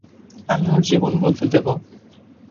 আমি ওর জীবন বদলে দেব।